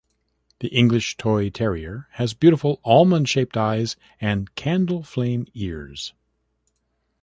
The English Toy Terrier has beautiful, almond-shaped eyes, and 'candle-flame' ears.